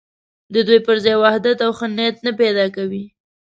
د دوی پر ځای وحدت او ښه نیت نه پیدا کوي.